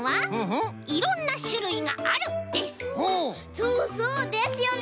そうそう！ですよね！